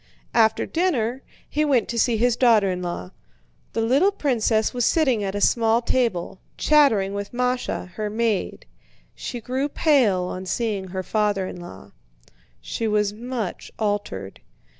After dinner, he went to see his daughter in law. The little princess was sitting at a small table, chattering with Másha, her maid. She grew pale on seeing her father in law. She was much altered.